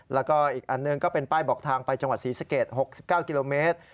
แล้วก็อีกอันหนึ่งก็เป็นป้ายบอกทางไปจังหวัดศรีสเกต๖๙กิโลเมตร